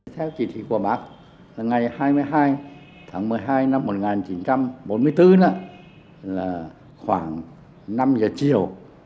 theo chỉ thị của bác ngày hai mươi hai tháng một mươi hai năm một nghìn chín trăm bốn mươi bốn là khoảng năm giờ chiều